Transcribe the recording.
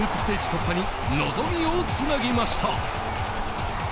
突破に望みをつなぎました。